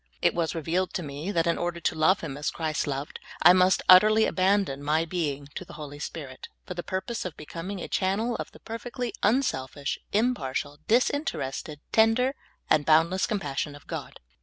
It was re vealed to me that in order to love him as Christ loved, I must utterly abandon my being to the Holy Spirit, for the purpose of becoming a channel of the perfectly unselfish, impartial, disinterested, tender, and bound less compassion of God.